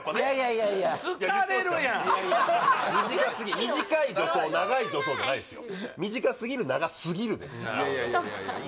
いやいや疲れるやん「短い助走長い助走」じゃないですよ